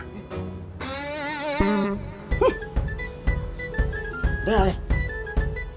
dari dulu si kemet teh ngejar ngejar emak